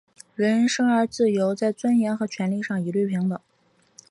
人人生而自由,在尊严和权利上一律平等。